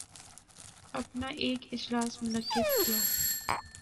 اپنا ایک اجلاس منعقد کیا